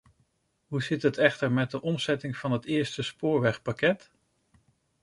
Hoe zit het echter met de omzetting van het eerste spoorwegpakket?